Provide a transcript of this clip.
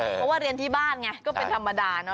เพราะว่าเรียนที่บ้านไงก็เป็นธรรมดาเนอ